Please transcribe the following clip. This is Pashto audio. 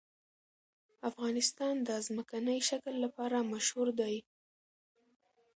افغانستان د ځمکنی شکل لپاره مشهور دی.